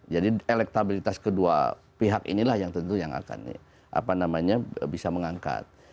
jadi elektabilitas kedua pihak inilah yang tentu yang akan apa namanya bisa mengangkat